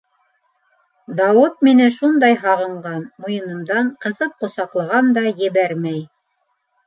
Дауыт мине шундай һағынған - муйынымдан ҡыҫып ҡосаҡлаған да ебәрмәй.